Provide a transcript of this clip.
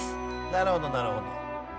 なるほどなるほど。